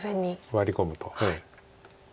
ワリ込むと。